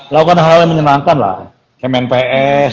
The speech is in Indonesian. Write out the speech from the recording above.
lakukan hal hal yang menyenangkan lah kayak main ps